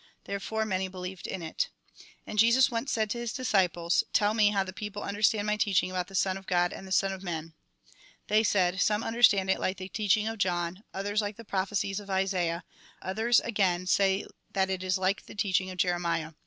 Therefore many believed in it. And Jesus once said to his disciples :" Tell me how the people understand my teaching about the son of God and the son of man." They said :" Some understand it like the teaching of John, others like the prophecies of Isaiah ; others, again, say that it is like the teaching of Jeremiah.